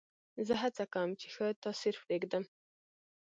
زه هڅه کوم، چي ښه تاثیر پرېږدم.